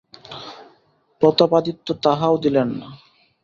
প্রতাপাদিত্য তাহাও দিলেন না।